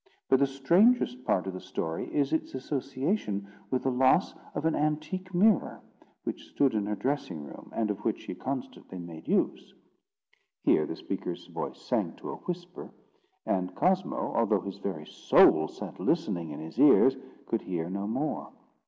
But the strangest part of the story is its association with the loss of an antique mirror, which stood in her dressing room, and of which she constantly made use." Here the speaker's voice sank to a whisper; and Cosmo, although his very soul sat listening in his ears, could hear no more.